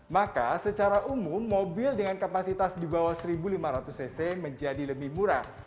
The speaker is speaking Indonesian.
maka secara umum mobil dengan kapasitas di bawah satu lima ratus cc menjadi lebih murah